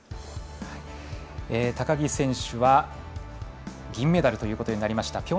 高木選手は銀メダルということになりました。